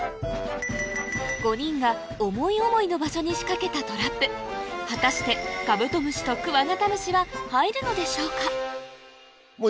５人が思い思いの場所に仕掛けたトラップ果たしてカブトムシとクワガタムシは入るのでしょうか？